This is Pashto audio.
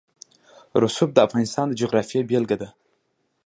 رسوب د افغانستان د جغرافیې بېلګه ده.